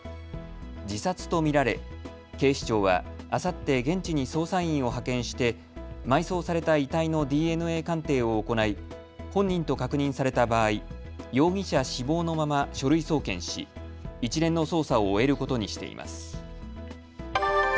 自殺と見られ警視庁はあさって現地に捜査員を派遣して埋葬された遺体のＤＮＡ鑑定を行い、本人と確認された場合、容疑者死亡のまま書類送検し一連の捜査を終えることにしています。